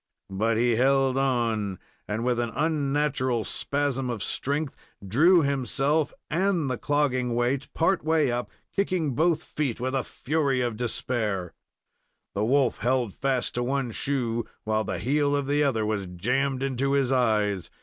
But he held on, and with an unnatural spasm of strength, drew himself and the clogging weight part way up, kicking both feet with the fury of despair. The wolf held fast to one shoe, while the heel of the other was jammed into his eyes.